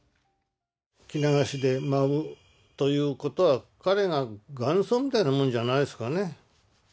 着流しで舞うということは彼が元祖みたいなもんじゃないですかね。